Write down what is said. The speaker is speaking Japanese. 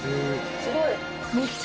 すごい！